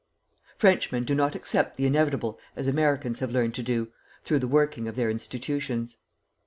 Frenchmen do not accept the inevitable as Americans have learned to do, through the working of their institutions.